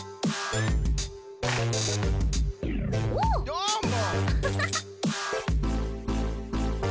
どーも！